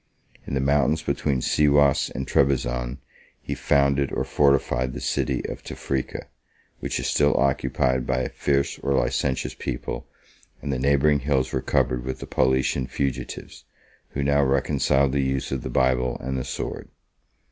In the mountains between Siwas and Trebizond he founded or fortified the city of Tephrice, 18 which is still occupied by a fierce or licentious people, and the neighboring hills were covered with the Paulician fugitives, who now reconciled the use of the Bible and the sword.